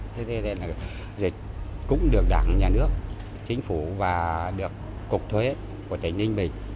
thế nên dịch cũng được đảng nhà nước chính phủ và được cục thuế của tỉnh ninh bình